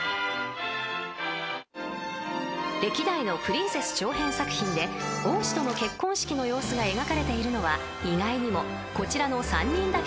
［歴代のプリンセス長編作品で王子との結婚式の様子が描かれているのは意外にもこちらの３人だけなんです］